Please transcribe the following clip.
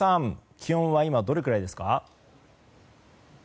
気温は今どのくらいですか？